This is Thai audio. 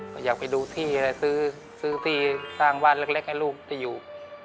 ก็อยากไปดูที่อะไรซื้อที่สร้างบ้านเล็กให้ลูกได้อยู่